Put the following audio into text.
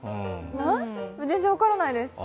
全然分からないです。